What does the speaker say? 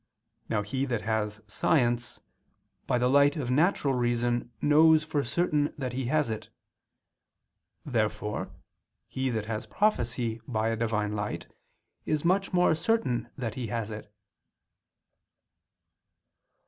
Now he that has science, by the light of natural reason knows for certain that he has it. Therefore he that has prophecy by a Divine light is much more certain that he has it.